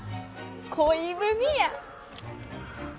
恋文や！